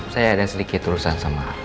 saya ada sedikit urusan sama